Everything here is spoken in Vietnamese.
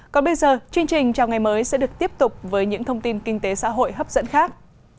còn bây giờ chương trình chào ngày mới sẽ được tiếp tục với những thông tin kinh tế xã hội hấp dẫn khác